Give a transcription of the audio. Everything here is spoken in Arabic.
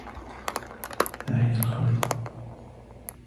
ها هي الخريطة.